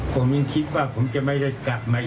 ผมยังคิดว่าผมจะไม่ได้กลับมาอีก